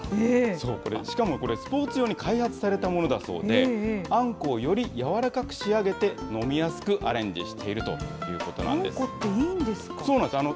そうこれ、しかもこれ、スポーツ用に開発されたものだそうで、あんこをより柔らかく仕上げて、飲みやすくアレンジしているというあんこっていいんですか？